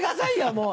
もう。